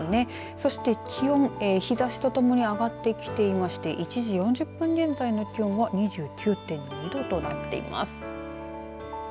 そして気温、日ざしともに上がってきていまして１時４０分現在の気温は２９．２度となっています。